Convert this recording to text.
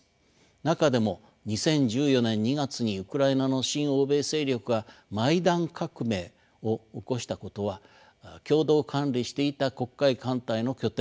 中でも２０１４年２月にウクライナの親欧米勢力がマイダン革命を起こしたことは共同管理していた黒海艦隊の拠点